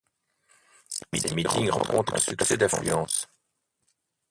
Ses meetings rencontrent un succès d'affluence.